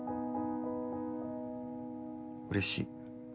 うれしい。